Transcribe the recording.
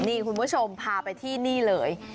นี่คุณผู้ชมพาไปที่นี่เลย